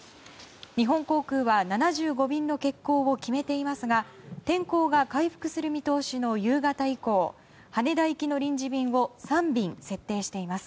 日本航空は７５便の欠航を決めていますが天候が回復する見通しの夕方以降羽田行きの臨時便を３便設定しています。